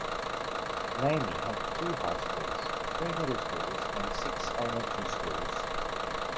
Namie had two high schools, three middle schools and six elementary schools.